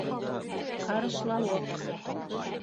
Ҡарышлауыҡ.